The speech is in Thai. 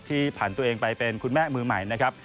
ผ่านตัวเองไปเป็นคุณแม่มือใหม่นะครับ